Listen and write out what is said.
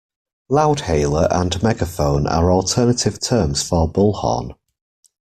Loudhailer and megaphone are alternative terms for bullhorn